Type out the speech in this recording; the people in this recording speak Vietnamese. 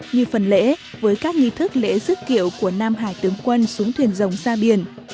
như phần lễ với các nghi thức lễ rước kiệu của nam hải tướng quân xuống thuyền dòng ra biển